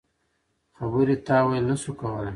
خبرې تاویل نه شو کولای.